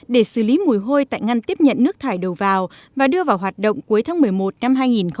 để xử lý mùi hôi tại ngăn tiếp nhận nước thải đầu vào và đưa vào hoạt động cuối tháng một mươi một năm hai nghìn hai mươi